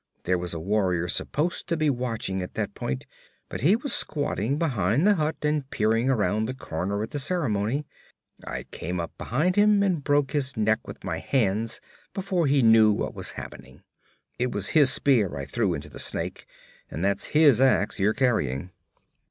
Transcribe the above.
There was a warrior supposed to be watching at that point, but he was squatting behind the hut and peering around the corner at the ceremony. I came up behind him and broke his neck with my hands before he knew what was happening. It was his spear I threw into the snake, and that's his ax you're carrying.'